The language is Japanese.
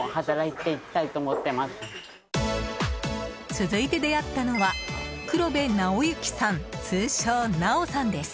続いて出会ったのは黒部直行さん、通称ナオさんです。